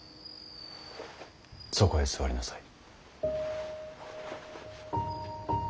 そこへ座りなさい。